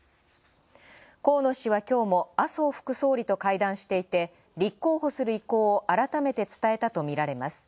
河野氏は、今日も麻生副総理と会談していて立候補する意向を改めて伝えたとみられます。